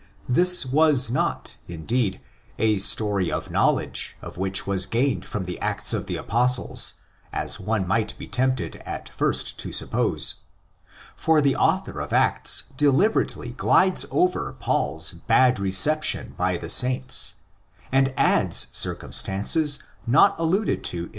This is not, indeed, a story the knowledge of which was gained from the Acts of the Apostles, as one might be tempted at first to suppose; for the author of Acts deliberately glides over Paul's bad reception by the "" saints," and adds circumstances not alluded to in the Epistle.